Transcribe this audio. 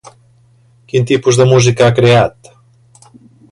Quin tipus de música ha creat?